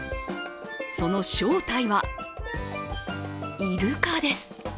その正体はイルカです。